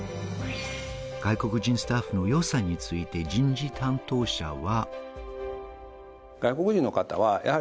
外国人スタッフの良さについて人事担当者は。